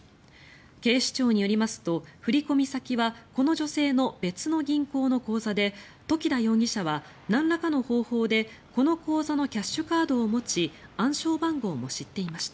警視庁によりますと、振込先はこの女性の別の銀行の口座で時田容疑者はなんらかの方法でこの口座のキャッシュカードを持ち暗証番号も知っていました。